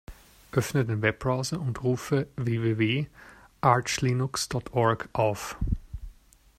Öffne den Webbrowser und rufe www.archlinux.org auf.